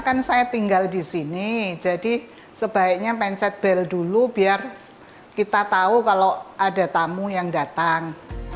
kan saya tinggal di sini jadi sebaiknya pencet bel dulu biar kita tahu kalau ada tamu yang datang